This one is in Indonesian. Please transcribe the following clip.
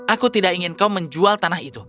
aku tidak ingin kau menjual tanah itu